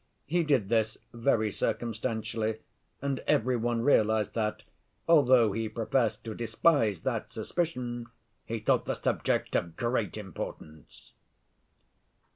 He did this very circumstantially, and every one realized that, although he professed to despise that suspicion, he thought the subject of great importance.